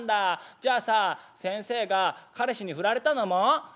じゃあさ先生が彼氏にフラれたのも？」。